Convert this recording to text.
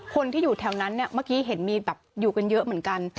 คนที่อยู่แถวนั้นเนี่ยเมื่อกี้เห็นมีแบบอยู่กันเยอะเหมือนกัน